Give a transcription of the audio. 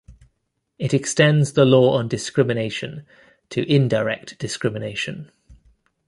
It extends the law on discrimination to indirect discrimination.